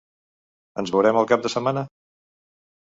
Ens veurem el cap de setmana?